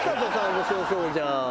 面白そうじゃん！